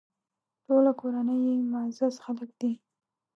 ټوله کورنۍ یې معزز خلک دي.